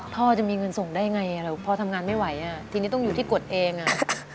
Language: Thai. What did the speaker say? พ่อจะมีเงินส่งได้ไงพ่อทำงานไม่ไหวอ่ะทีนี้ต้องอยู่ที่กฎเองอ่ะ